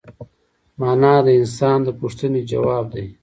مانا د انسان د پوښتنې ځواب دی.